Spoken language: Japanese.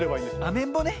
アメンボね。